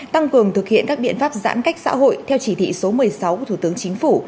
tăng cường thực hiện các biện pháp giãn cách xã hội theo chỉ thị số một mươi sáu của thủ tướng chính phủ